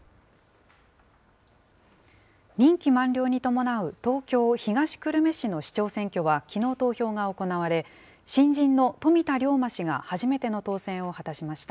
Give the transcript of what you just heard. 任期満了に伴う東京・東久留米市の市長選挙はきのう投票が行われ、新人の富田竜馬氏が初めての当選を果たしました。